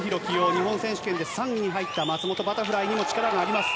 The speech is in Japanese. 日本選手権で３位に入った松元バタフライにも力があります。